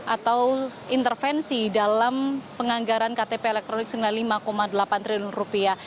atau intervensi dalam penganggaran ktp elektronik senilai lima delapan triliun rupiah